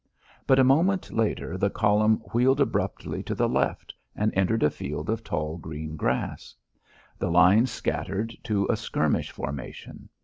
But a moment later the column wheeled abruptly to the left and entered a field of tall green grass. The line scattered to a skirmish formation.